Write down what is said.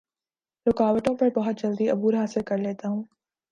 رکاوٹوں پر بہت جلدی عبور حاصل کر لیتا ہوں